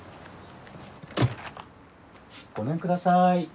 ごめんください。